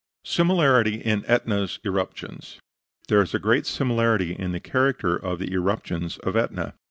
SIMILARITY IN ETNA'S ERUPTIONS There is a great similarity in the character of the eruptions of Etna.